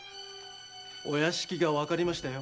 お屋敷がわかりましたよ。